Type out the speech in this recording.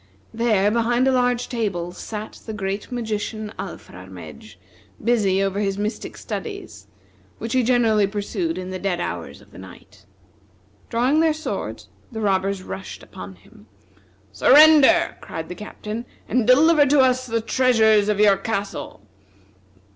There, behind a large table, sat the great magician, Alfrarmedj, busy over his mystic studies, which he generally pursued in the dead hours of the night. Drawing their swords, the robbers rushed upon him. "Surrender!" cried the Captain, "and deliver to us the treasures of your castle."